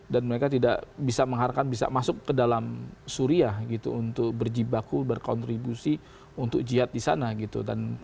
dan mereka tidak bisa mengharapkan bisa masuk ke dalam suria gitu untuk berjibaku berkontribusi untuk jihad di sana gitu